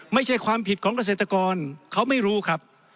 ไม่ใช่ความผิดของเกษตรกรเขาไม่รู้ครับ